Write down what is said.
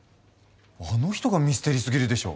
あの人がミステリーすぎるでしょ！